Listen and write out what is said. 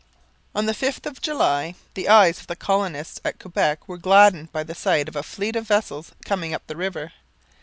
On the 5th of July the eyes of the colonists at Quebec were gladdened by the sight of a fleet of vessels coming up the river.